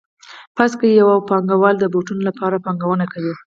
فرض کړئ یو پانګوال د بوټانو لپاره پانګونه کوي